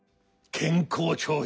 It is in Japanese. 健康長寿